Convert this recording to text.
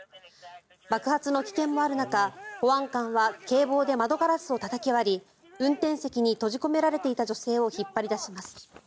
爆発の危険もある中、保安官は警棒で窓ガラスをたたき割り運転席に閉じ込められていた女性を引っ張り出します。